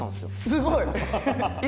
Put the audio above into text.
すごい！